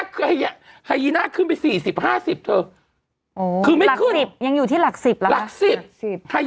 เพราะอะไรฮะ